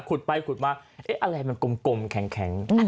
ขุดไปขุดมาอะไรมันกลมแข็ง